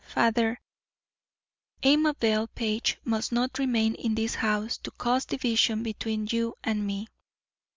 Father, Amabel Page must not remain in this house to cause division between you and me."